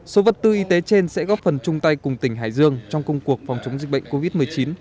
số vật tư y tế trên sẽ góp phần chung tay cùng tỉnh hải dương trong công cuộc phòng chống dịch bệnh covid một mươi chín